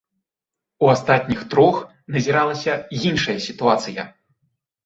У астатніх трох назіралася іншая сітуацыя.